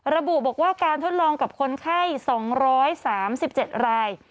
ระบุบอกว่าการทดลองกับคนไข้๒๓๗ราย